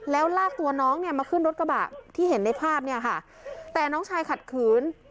แล้วลากตัวน้องเนี่ยมาขึ้นรถกระบะที่เห็นในภาพเนี่ยค่ะแต่น้องชายขัดขืน